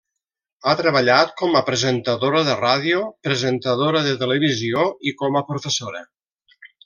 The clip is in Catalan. Ha treballat com a presentadora de ràdio, presentadora de televisió i com a professora.